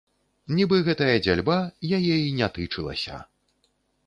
Нібы гэтая дзяльба яе і не тычылася.